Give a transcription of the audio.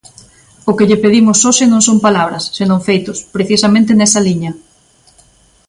O que lle pedimos hoxe non son palabras, senón feitos, precisamente nesa liña.